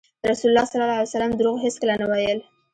رسول الله ﷺ دروغ هېڅکله نه ویل.